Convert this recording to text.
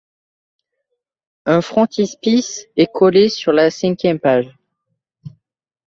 Un frontispice est collé sur la cinquième page.